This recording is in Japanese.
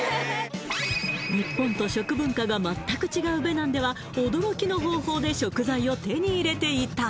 日本と食文化が全く違うベナンでは驚きの方法で食材を手に入れていた！